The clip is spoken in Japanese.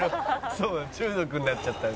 「そう中毒になっちゃった」